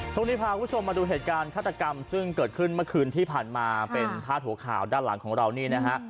คุณผู้ชมพาคุณผู้ชมมาดูเหตุการณ์ฆาตกรรมซึ่งเกิดขึ้นเมื่อคืนที่ผ่านมาเป็นพาดหัวข่าวด้านหลังของเรานี่นะฮะ